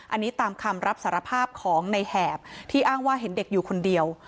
อันนี้ตามคำรับสารภาพของในแหบที่อ้างว่าเห็นเด็กอยู่คนเดียว